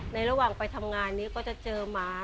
ระหว่างไปทำงานนี้ก็จะเจอหมา